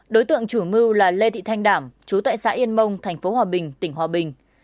đối tượng chủ mưu là lê thị thanh đảm chú tại xã yên mông thành phố hòa bình tỉnh hòa bình